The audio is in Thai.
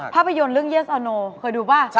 ภาพยนตร์เรื่องยีทเอาโนเคยดูประตูกันประมาณนี้